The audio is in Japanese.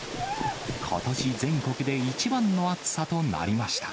ことし全国で一番の暑さとなりました。